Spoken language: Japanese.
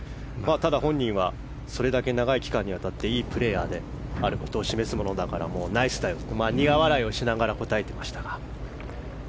ただ、本人はそれだけ長い期間にわたっていいプレーヤーであることを示しているからナイスだよと苦笑いをしながら答えていましたが。